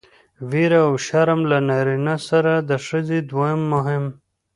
ويره او شرم له نارينه سره د ښځې دوه مهم